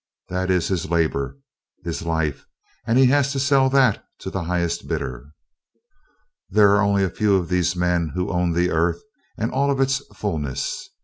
That is his labor, his life; and he has to sell that to the highest bidder. There are only a few of these men who own the earth and all of its fullness.